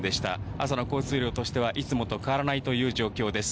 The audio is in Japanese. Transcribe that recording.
朝の交通量としてはいつもと変わらないという状況です。